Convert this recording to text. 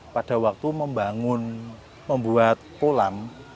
pada waktu membuat kolam